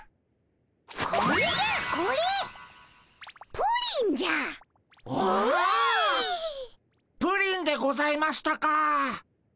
プリンでございましたかっ。